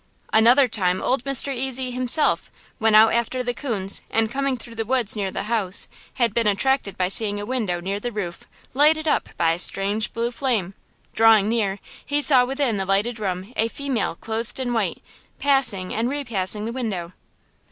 Another time old Mr. Ezy himself, when out after coons, and coming though the woods near the house, had been attracted by seeing a window near the roof lighted up by a strange blue flame; drawing near, he saw within the lighted room a female clothed in white passing and repassing the window.